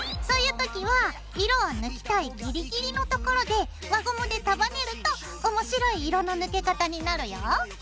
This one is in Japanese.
そういう時は色を抜きたいギリギリのところで輪ゴムでたばねると面白い色の抜け方になるよ。